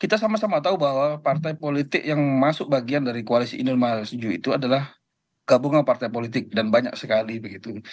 kita sama sama tahu bahwa partai politik yang masuk bagian dari koalisi indonesia maju itu adalah gabungan partai politik dan banyak sekali begitu